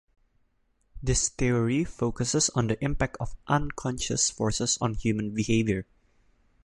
This theory focuses on the impact of unconscious forces on human behavior.